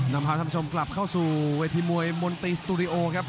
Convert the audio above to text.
นำพาท่านผู้ชมกลับเข้าสู่เวทีมวยมนตรีสตูดิโอครับ